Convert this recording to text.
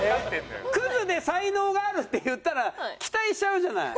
クズで才能があるって言ったら期待しちゃうじゃない。